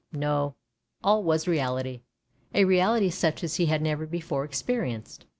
No, all was reality — a reality such as he had never before experienced.